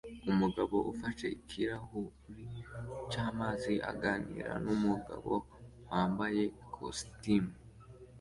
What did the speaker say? Umugabo ufashe ikirahuri cyamazi aganira numugabo wambaye ikositimu